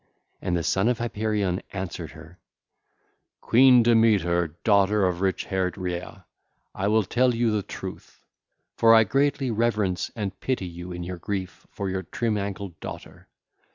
And the Son of Hyperion answered her: 'Queen Demeter, daughter of rich haired Rhea, I will tell you the truth; for I greatly reverence and pity you in your grief for your trim ankled daughter.